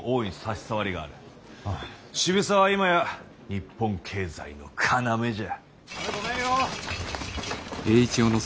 渋沢は今や日本経済の要じゃ。